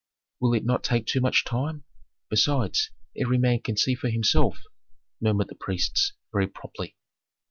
"Will it not take too much time? Besides, every man can see for himself," murmured the priests, very promptly.